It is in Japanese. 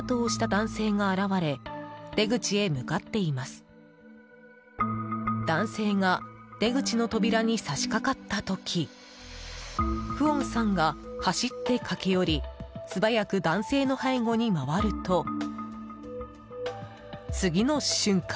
男性が出口の扉に差し掛かった時フオンさんが走って駆け寄り素早く男性の背後に回ると次の瞬間。